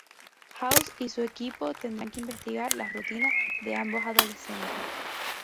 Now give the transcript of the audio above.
House y su equipo tendrán que investigar las rutinas de ambos adolescentes.